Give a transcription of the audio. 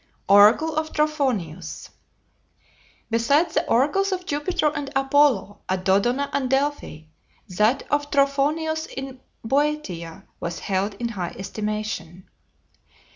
ORACLE OF TROPHONIUS Besides the oracles of Jupiter and Apollo, at Dodona and Delphi, that of Trophonius in Boeotia was held in high estimation.